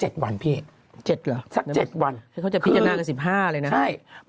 ๗หรือเขาจะพิจารณากัน๑๕เลยนะครับ